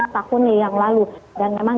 lima tahun yang lalu dan memang